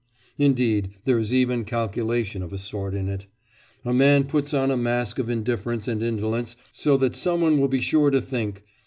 Indeed, there is even calculation of a sort in it. A man puts on a mask of indifference and indolence so that some one will be sure to think.